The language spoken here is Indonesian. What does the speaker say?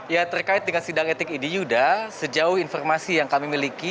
ya terkait dengan sidang etik ini yuda sejauh informasi yang kami miliki